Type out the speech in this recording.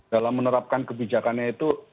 dalam menerapkan kebijakannya itu